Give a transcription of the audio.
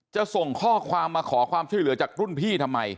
ส่งข้อความมาขอความช่วยเหลือจากรุ่นพี่ทำไม